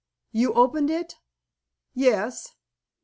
You opened it?" "Yes."